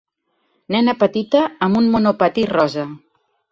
Nena petita amb un monopatí rosa.